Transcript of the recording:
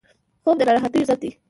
خوب د ناراحتیو ضد دی